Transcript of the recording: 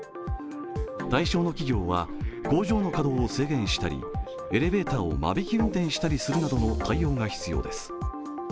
対象の企業は工場の稼働を制限したりエレベーターを間引き運転するなどの対応が必要です。